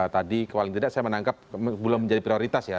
tadi paling tidak saya menangkap belum menjadi prioritas ya